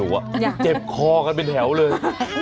เจ็บคอกันเป็นแถวเลย